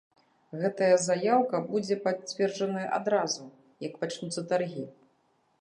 Гэтая заяўка будзе пацверджаная адразу, як пачнуцца таргі.